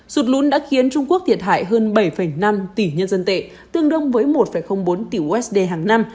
sụt lún đã khiến trung quốc thiệt hại hơn bảy năm tỷ nhân dân tệ tương đương với một bốn tỷ usd hàng năm